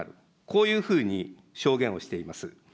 こういうふうに証言をしています。